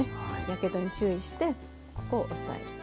やけどに注意してここを押さえる。